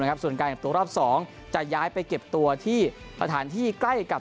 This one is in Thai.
นะครับส่วนกลางตัวรอบ๒จะย้ายไปเก็บตัวที่ประธานที่ใกล้กับ